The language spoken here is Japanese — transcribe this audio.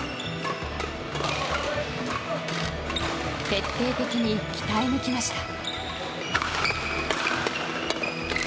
徹底的に鍛えぬきました。